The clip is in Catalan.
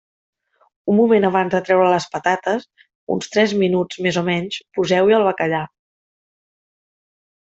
Un moment abans de treure les patates, uns tres minuts més o menys, poseu-hi el bacallà.